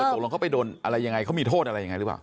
ตกลงเขาไปโดนอะไรยังไงเขามีโทษอะไรยังไงหรือเปล่า